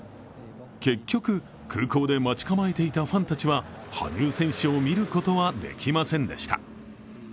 結局、空港で待ち構えていたファンたちは羽生選手を見ることはできませんでした。